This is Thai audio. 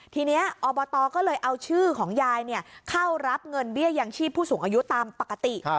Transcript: ทีนี้อบตก็เลยเอาชื่อของยายเข้ารับเงินเบี้ยยังชีพผู้สูงอายุตามปกติ